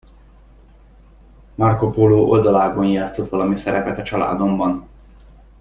Marco Polo oldalágon játszott valami szerepet a családomban.